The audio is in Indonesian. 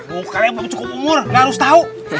aduh kalian belum cukup umur gak harus tau